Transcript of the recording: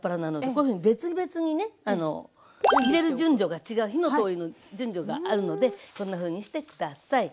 こういうふうに別々にね入れる順序が違う火の通りの順序があるのでこんなふうにして下さい。